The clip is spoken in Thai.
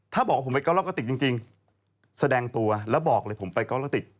ถ้าบอกผมไปการ์โลกาติกจริงแสดงตัวแล้วบอกเลยผมไปการ์โลกาติก